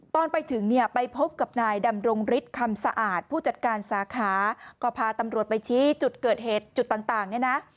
ตอนไปถึงเนี่ยไปพบกับนายดำรงฤทธิคำสะอาดผู้จัดการสาขาก็พาตำรวจไปชี้จุดเกิดเหตุจุดต่างเนี่ยนะ